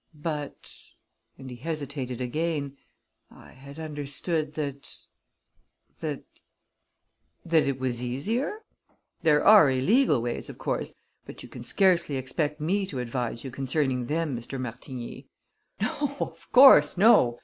"But," and he hesitated again, "I had understood that that " "That it was easier? There are illegal ways, of course; but you can scarcely expect me to advise you concerning them, Mr. Martigny." "No; of course, no!"